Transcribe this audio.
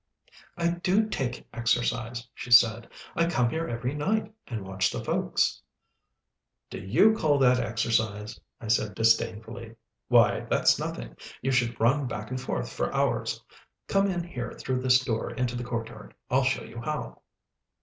"I do take exercise," she said. "I come here every night, and watch the folks." "Do you call that exercise?" I said disdainfully. "Why, that's nothing. You should run back and forth for hours. Come in here through this door into this courtyard. I'll show you how."